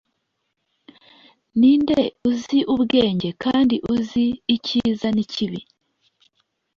ninde uzi ubwenge kandi uzi icyiza n'ikibi